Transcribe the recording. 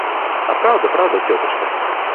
А праўда, праўда, цётачка!